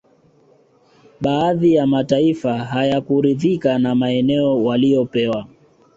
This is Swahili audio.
Baadhi ya mataifa hayakuridhika na maeneo waliyopewa